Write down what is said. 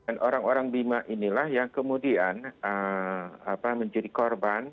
tujuan ini adalah rohani bima pengakhiran targeting ahli karena setelah empat orang ini keluar dari bima biasa